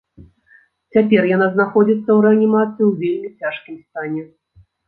Цяпер яна знаходзіцца ў рэанімацыі ў вельмі цяжкім стане.